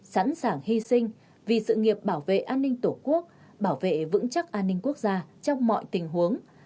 sẵn sàng hy sinh vì sự nghiệp bảo vệ an ninh tổ quốc bảo vệ vững chắc an ninh quốc gia trong mọi tình huống